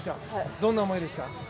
どんな思いでした？